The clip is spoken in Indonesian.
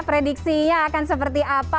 prediksinya akan seperti apa